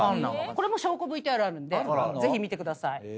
これも証拠ＶＴＲあるんでぜひ見てください。